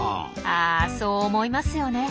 あそう思いますよね。